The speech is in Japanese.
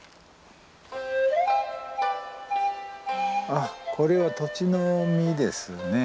あっこれはトチの実ですね。